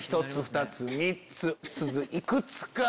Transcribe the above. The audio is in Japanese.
１つ２つ３つすず幾つか？